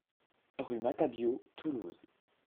Rue Matabiau, Toulouse